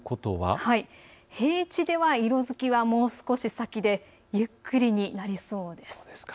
平地では色づきがもう少し先でゆっくりになりそうです。